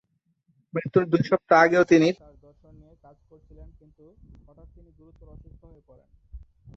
মৃত্যুর দুই সপ্তাহ আগেও তিনি তার দর্শন নিয়ে কাজ করছিলেন কিন্তু হঠাৎ তিনি গুরুতর অসুস্থ হয়ে পড়েন।